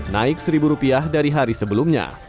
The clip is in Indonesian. naik rp satu dari hari sebelumnya